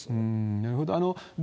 なるほど。